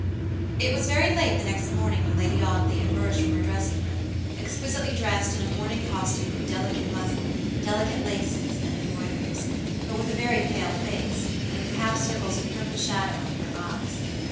It was very late the next morning when Lady Audley emerged from her dressing room, exquisitely dressed in a morning costume of delicate muslin, delicate laces, and embroideries; but with a very pale face, and with half circles of purple shadow under her eyes.